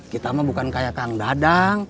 kita mah bukan kayak kang dadang